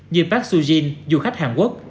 như park soo jin du khách hàn quốc